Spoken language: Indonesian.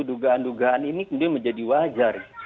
dugaan dugaan ini kemudian menjadi wajar